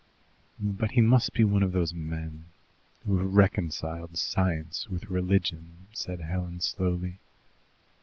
"But he must be one of those men who have reconciled science with religion," said Helen slowly.